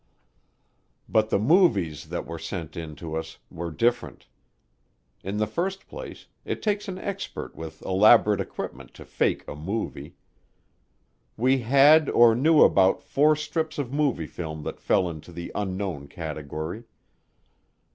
But the movies that were sent in to us were different. In the first place, it takes an expert with elaborate equipment to fake a movie. We had or knew about four strips of movie film that fell into the "Unknown" category.